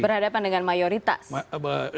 berhadapan dengan mayoritas